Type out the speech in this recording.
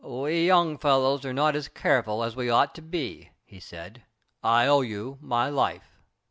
"We young fellows are not so careful as we ought to be," he said. "I owe you my life."